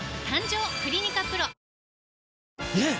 ねえ‼